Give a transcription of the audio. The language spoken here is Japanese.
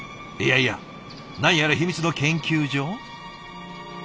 いやいや何やら秘密の研究所？